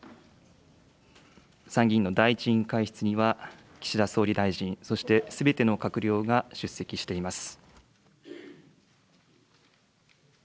参議院の第１委員会室には、岸田総理大臣、そしてすべての閣僚が出席しています。